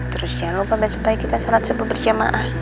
terus jangan lupa besepak kita salat subuh berjamaah